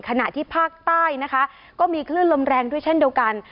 ขณะที่ภาคใต้นะคะก็มีคลื่นลมแรงด้วยเช่นเดียวกัน